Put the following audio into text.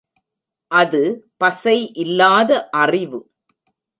அது பசை இல்லாத அறிவு.